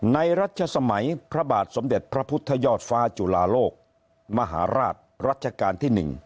รัชสมัยพระบาทสมเด็จพระพุทธยอดฟ้าจุลาโลกมหาราชรัชกาลที่๑